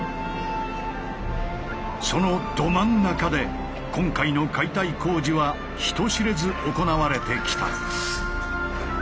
そのど真ん中で今回の解体工事は人知れず行われてきた。